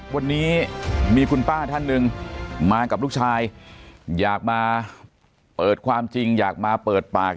วันนี้มีคุณป้าท่านหนึ่งมากับลูกชายอยากมาเปิดความจริงอยากมาเปิดปาก